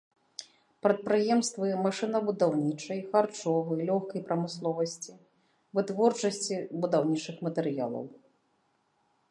Прадпрыемствы машынабудаўнічай, харчовы, лёгкай прамысловасці, вытворчасці будаўнічых матэрыялаў.